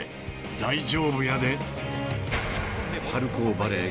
［大丈夫やで！］